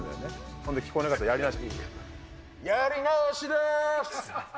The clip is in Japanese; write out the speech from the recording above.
ほんで聞こえなかったらやり直し。